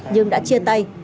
nhưng đã chia tay